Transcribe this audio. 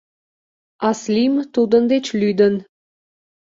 Аслим тудын деч лӱдын.